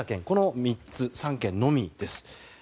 この３つ、３県のみです。